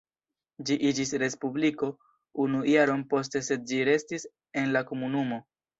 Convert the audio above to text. Ĝi iĝis respubliko unu jaron poste sed ĝi restis en la Komunumo.